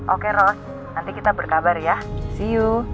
oke ros nanti kita berkabar ya see you